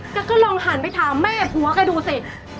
แล้วก็ลองหันไปถามแม่พ่อแกดูสิ